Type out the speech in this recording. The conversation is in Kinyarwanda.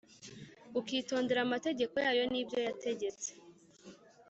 ukitondera amategeko yayo n’ibyo yategetse